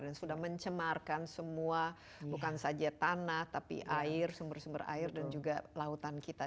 dan sudah mencemarkan semua bukan saja tanah tapi air sumber sumber air dan juga lautan kita